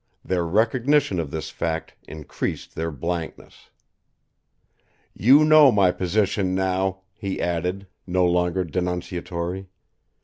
Their recognition of this fact increased their blankness. "You know my position now," he added, no longer denunciatory.